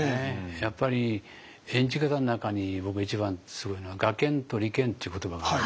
やっぱり演じ方の中に僕一番すごいのは「我見と離見」っていう言葉があるんですよね。